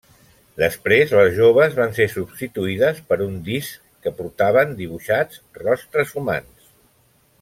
Després les joves van ser substituïdes per uns discs que portaven dibuixats rostres humans.